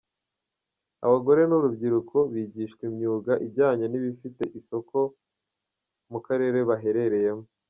Abagore n’urubyiruko bigishwa imyuga ijyanye n’ibifite isoko mu karere baherereyemo.